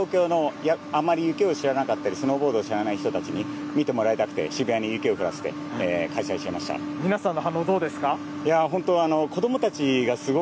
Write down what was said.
やっぱり、東京のあまり雪を知らなかったり、スノーボードを知らない人たちに見てもらいたくて、渋谷に雪を降らせて開催しま皆さんの反応どうですか。